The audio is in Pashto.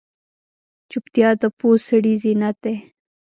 چوپتیا، د پوه سړي زینت دی.